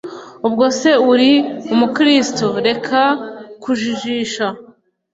ubwo se uri umukristu, reka kujijisha?!